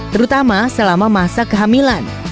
terutama selama masa kehamilan